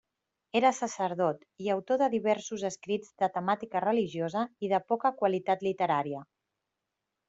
Era sacerdot i autor de diversos escrits de temàtica religiosa i de poca qualitat literària.